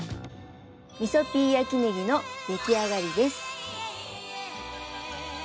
みそピー焼きねぎのできあがりです。